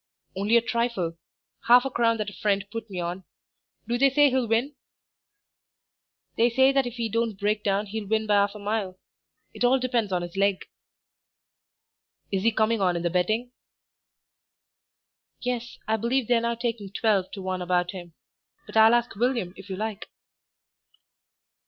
"Only a trifle; half a crown that a friend put me on. Do they say he'll win?" "They say that if he don't break down he'll win by 'alf a mile; it all depends on his leg." "Is he coming on in the betting?" "Yes, I believe they're now taking 12 to 1 about him. But I'll ask William, if you like."